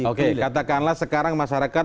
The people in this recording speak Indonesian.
oke katakanlah sekarang masyarakat